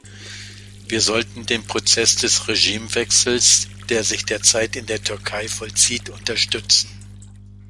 Wir sollten den Prozess des Regimewechsels, der sich derzeit in der Türkei vollzieht, unterstützen.